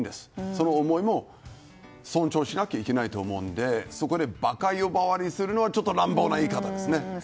その思いも尊重しなきゃいけないと思うのでそこで馬鹿呼ばわりするのはちょっと乱暴な言い方ですね。